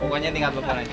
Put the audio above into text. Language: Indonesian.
pokoknya tingkat telepon aja